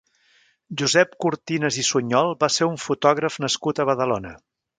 Josep Cortinas i Suñol va ser un fotògraf nascut a Badalona.